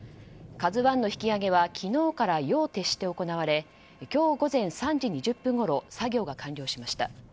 「ＫＡＺＵ１」の引き揚げは昨日から夜を徹して行われ今日午前３時２０分ごろ作業が完了しました。